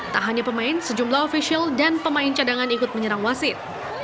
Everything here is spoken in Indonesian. tak hanya pemain sejumlah ofisial dan pemain cadangan ikut menyerang wasit